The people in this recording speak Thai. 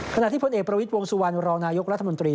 ขณะที่พลเอกประวิทย์วงสุวรรณรองนายกรัฐมนตรี